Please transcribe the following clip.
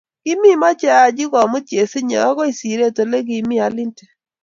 Kimimoche Haji komut chesinye okoi sire ole kimii alinte.